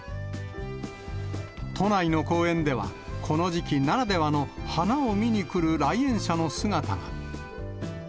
都内の公園では、この時期ならではの花を見に来る来園者の姿が。